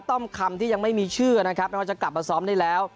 ต้อมคำที่ยังไม่มีชื่อนะครับไม่ว่าจะกลับมาซ้อมได้แล้ว